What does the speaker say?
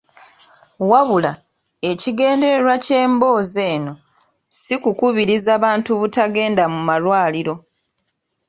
Wabula, ekigendererwa ky’emboozi eno si kukubiriza bantu butagenda mu malwaliro.